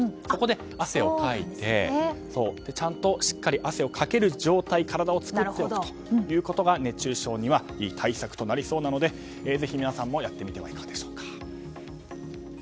そこで汗をかいてしっかり汗をかける体の状態を作ることが熱中症にはいい対策となりそうなのでぜひ皆さんもやってみてはいかがでしょうか。